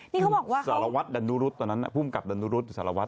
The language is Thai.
นี่เขาบอกว่าเขาสารวัฒน์ดันดุรุษตอนนั้นน่ะภูมิกับดันดุรุษสารวัฒน์